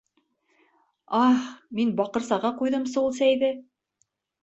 Аһ, мин баҡырсаға ҡуйҙымсы ул сәйҙе...